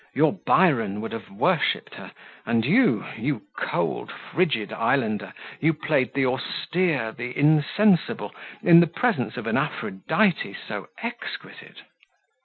Your Byron would have worshipped her, and you you cold, frigid islander! you played the austere, the insensible in the presence of an Aphrodite so exquisite?"